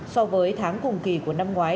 so với tháng cùng kỳ của năm ngoái